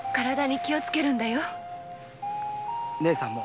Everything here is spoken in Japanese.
姉さんも